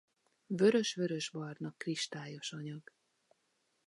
Vörös–vörösbarna kristályos anyag.